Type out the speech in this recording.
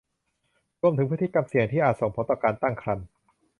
รวมถึงพฤติกรรมเสี่ยงที่อาจส่งผลต่อการตั้งครรภ์